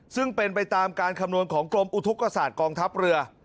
ซึ่งเป็นไปตามการคำนวณของกรมอุทธกษาตกองทัพเรือ